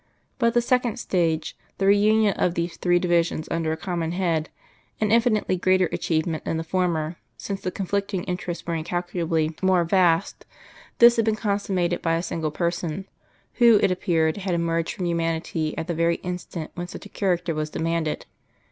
But the second stage the reunion of these three divisions under a common head an infinitely greater achievement than the former, since the conflicting interests were incalculably more vast this had been consummated by a single Person, Who, it appeared, had emerged from humanity at the very instant when such a Character was demanded.